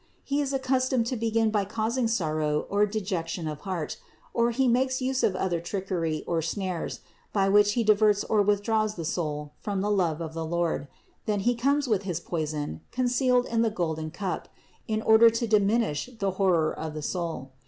He is accustomed to begin by causing sorrow or dejection of heart, or he makes use of other trickery or snares, by which he diverts or withdraws the soul from the love of the Lord ; then he comes with his poison, con cealed in the golden cup in order to diminish the horror of the soul.